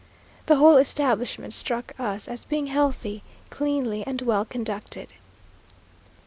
The whole establishment struck us as being healthy, cleanly, and well conducted.